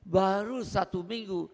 baru satu minggu